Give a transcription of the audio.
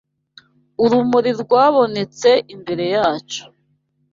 urumuri rwabonetse Imbere yacu